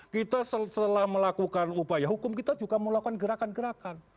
kita setelah melakukan upaya hukum kita juga melakukan gerakan gerakan